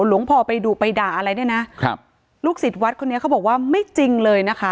หลวงพ่อไปดุไปด่าอะไรเนี่ยนะครับลูกศิษย์วัดคนนี้เขาบอกว่าไม่จริงเลยนะคะ